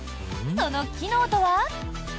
その機能とは？